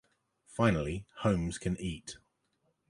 Finally, Holmes can eat.